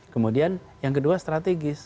kemudian yang kedua strategis